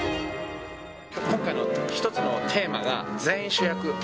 今回の一つのテーマが、全員主役。